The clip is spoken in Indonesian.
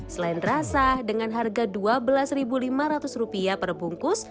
selain rasa dengan harga rp dua belas lima ratus per bungkus